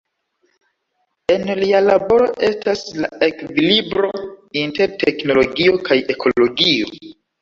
En lia laboro estas la ekvilibro inter teknologio kaj ekologio.